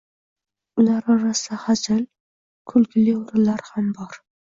Ular orasida hazil, kulgili o'rinlar ham bor